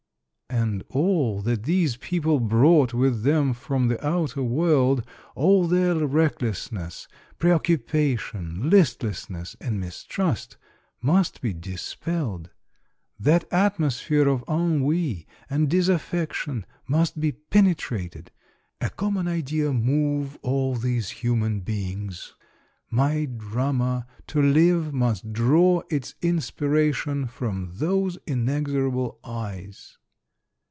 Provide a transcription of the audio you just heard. And all that these people brought with them from the outer world, all their recklessness, preoc cupation, listlessness, and mistrust, must be dis pelled ; that atmosphere of ennui and disaffection must be penetrated, — a common idea move all these human beings ; my drama, to live, must draw its in spiration from those inexorable eyes.